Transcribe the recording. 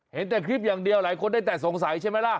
เห็นแต่คลิปอย่างเดียวหลายคนได้แต่สงสัยใช่ไหมล่ะ